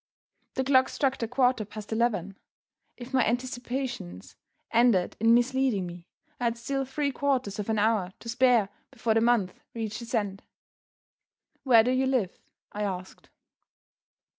The clock struck the quarter past eleven. If my anticipations ended in misleading me, I had still three quarters of an hour to spare before the month reached its end. "Where do you live?" I asked.